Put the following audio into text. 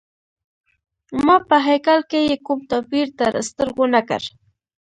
ما په هیکل کي یې کوم توپیر تر سترګو نه کړ.